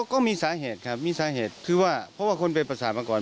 ก็มีสาเหตุครับมีสาเหตุคือว่าเพราะว่าคนเป็นประสาทมาก่อน